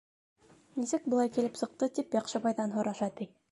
Нисек былай килеп сыҡты, тип Яҡшыбайҙан һораша, ти.